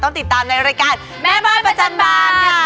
ต้องติดตามในรายการแม่บ้านประจันบานค่ะ